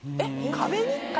壁に。